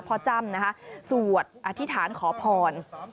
จ้ำนะคะสวดอธิษฐานขอพร